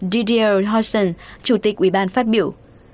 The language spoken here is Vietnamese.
didier hausson chủ tịch ủy ban phát biểu